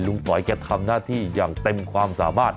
ลุงต๋อยเขาทำหน้าที่ที่อย่างเต็มความสามารถ